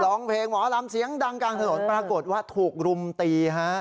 ร้องเพลงหมอลำเสียงดังกลางถนนปรากฏว่าถูกรุมตีฮะ